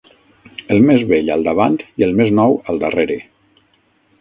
El més vell al davant i el més nou al darrere.